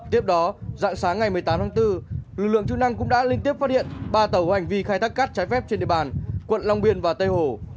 tiếp đó dạng sáng ngày một mươi tám tháng bốn lực lượng chức năng cũng đã liên tiếp phát hiện ba tàu có hành vi khai thác cát trái phép trên địa bàn quận long biên và tây hồ